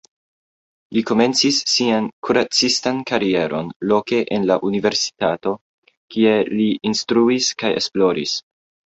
Li komencis sian kuracistan karieron loke en la universitato, kie li instruis kaj esploris.